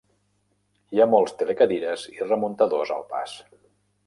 Hi ha molts telecadires i remuntadors al pas.